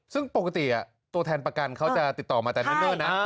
ซึ่งปกติตัวแทนประกันเขาจะติดต่อมาแต่เนิ่นนะ